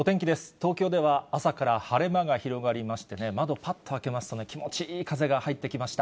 東京では朝から晴れ間が広がりまして、窓、ぱっと開けますと、気持ちいい風が入ってきました。